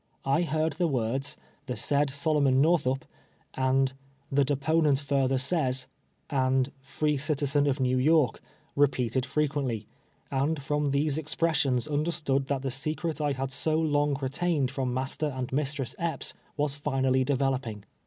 I heard the words, " the said Solomon Xorthup," and " the dejionent further says," and "free citizen of ]\cw Y(irk," repeated frequently, and from these expressions understood that the secret I had so long retained from Master and ]\[istress Epps, was finally developing.